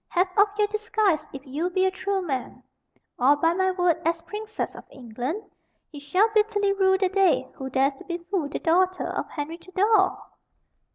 Have off your disguise, if you be a true man; or, by my word as Princess of England, he shall bitterly rue the day who dares to befool the daughter of Henry Tudor!"